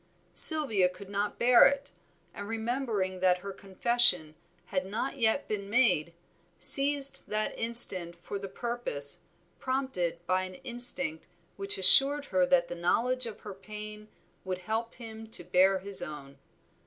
Sylvia could not bear it, and remembering that her confession had not yet been made, seized that instant for the purpose, prompted by an instinct which assured her that the knowledge of her pain would help him to bear his own.